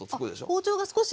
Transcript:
包丁が少し今。